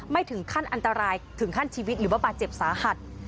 ถึงขั้นอันตรายถึงขั้นชีวิตหรือว่าบาดเจ็บสาหัส